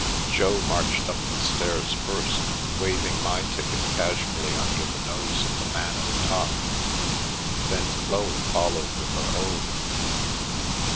Jo marched up the stairs first, waving my ticket casually under the nose of the man at the top, then Chloe followed with her own.